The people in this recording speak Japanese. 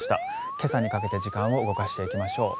今朝にかけて時間を動かしていきましょう。